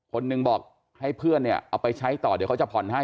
คนหนึ่งบอกให้เพื่อนเนี่ยเอาไปใช้ต่อเดี๋ยวเขาจะผ่อนให้